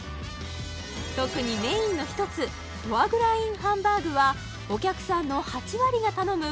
特にメインの一つフォアグラｉｎハンバーグはお客さんの８割が頼む